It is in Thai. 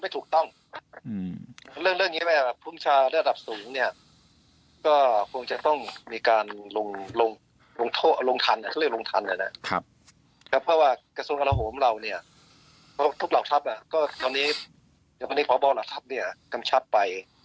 ทุกเหล่าทัพตอนนี้พระบอลหลักทัพกำชับไป